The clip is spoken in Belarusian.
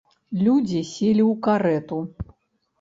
Людзі селі ў карэту.